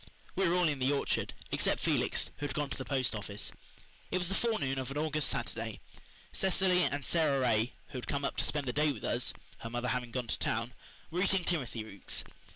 We were all in the orchard, except Felix, who had gone to the post office. It was the forenoon of an August Saturday. Cecily and Sara Ray, who had come up to spend the day with us her mother having gone to town were eating timothy roots.